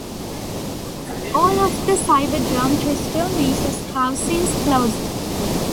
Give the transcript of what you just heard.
All of the Cyberdrome Crystal Mazes have since closed.